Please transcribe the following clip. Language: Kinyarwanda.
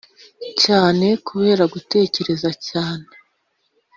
cyane kubera gutekereza cyane.